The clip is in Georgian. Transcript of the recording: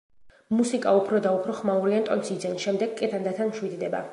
მუსიკა უფრო და უფრო ხმაურიან ტონს იძენს, შემდეგ კი თანდათან მშვიდდება.